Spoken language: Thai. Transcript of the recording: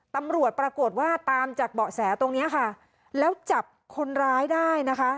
ตำรวจปรากฏว่าตามจากเบาะแสตรงเนี้ยค่ะแล้วจับคนร้ายได้นะคะ